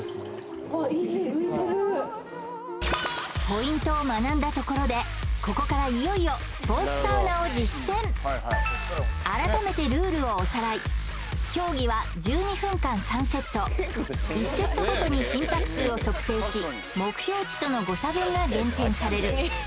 ポイントを学んだところでここからいよいよ改めてルールをおさらい競技は１２分間３セット１セットごとに心拍数を測定し目標値との誤差分が減点される